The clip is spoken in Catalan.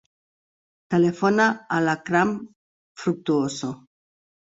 Telefona a l'Akram Fructuoso.